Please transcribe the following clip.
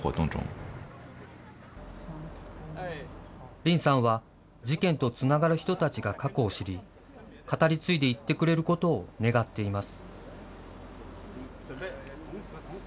林さんは事件とつながる人たちが過去を知り、語り継いでいってくれることを願っています。